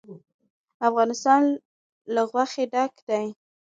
افغانستان له غوښې ډک دی.